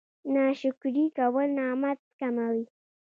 ناشکري کول نعمت کموي